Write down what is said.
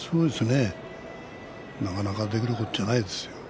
なかなかできることじゃないですよ。